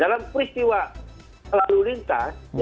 dalam peristiwa lalu lintas